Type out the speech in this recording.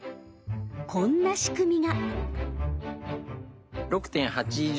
こんな仕組みが。